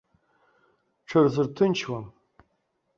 Рҽырзырҭынчуам.